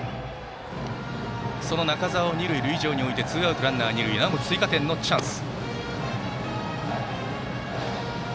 その中澤を二塁塁上に置いてツーアウトランナー、二塁なおも追加点のチャンス。